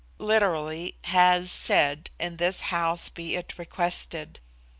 * Literally "has said, In this house be it requested."